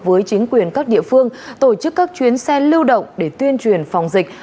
với chính quyền các địa phương tổ chức các chuyến xe lưu động để tuyên truyền phòng dịch